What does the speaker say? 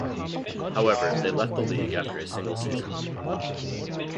However, they left the league after a single season.